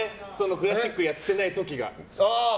クラシックやってない時が。